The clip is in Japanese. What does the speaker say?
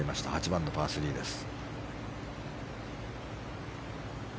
８番のパー３です。